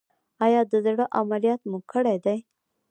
ایا د زړه عملیات مو کړی دی؟